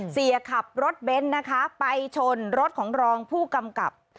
เสียขับรถเบนท์นะคะไปชนรถของรองผู้กำกับ